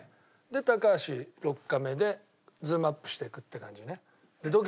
で高橋６カメでズームアップしていくって感じね。